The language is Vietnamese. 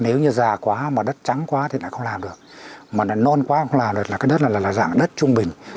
nếu như già quá mà đất trắng quá thì nó không làm được mà nó non quá không làm được cái đất này là dạng đất trung bình